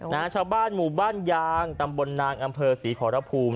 ชาวบ้านหมู่บ้านยางตำบลนางอำเภอศรีขอรภูมิ